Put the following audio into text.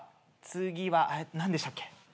次は何でしたっけ。